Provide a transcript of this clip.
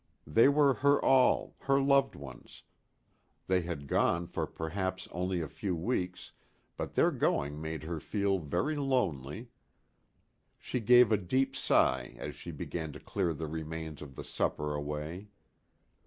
They were her all, her loved ones. They had gone for perhaps only a few weeks, but their going made her feel very lonely. She gave a deep sigh as she began to clear the remains of the supper away.